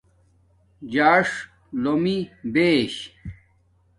ژاݽ لُومی بیش